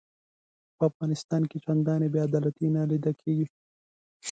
په افغانستان کې چنداني بې عدالتي نه لیده کیږي.